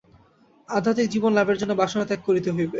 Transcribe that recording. আধ্যাত্মিক জীবন লাভের জন্য বাসনা ত্যাগ করিতে হইবে।